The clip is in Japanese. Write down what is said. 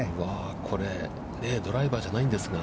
これ、ドライバーじゃないんですが。